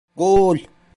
Gol!